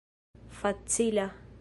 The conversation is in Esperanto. facila